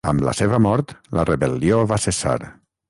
Amb la seva mort, la rebel·lió va cessar.